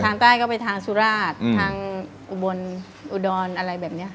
ทางใต้ก็ไปทางสุราชทางอุบลอุดรอะไรแบบนี้ค่ะ